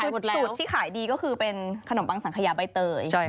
สูตรที่ขายดีก็คือเป็นขนมปังสังขยาใบเตย